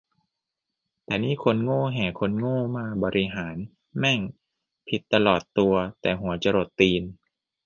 แต่นี่คนโง่แห่คนโง่มาบริหาร แม่งผิดตลอดตัวแต่หัวจรดตีน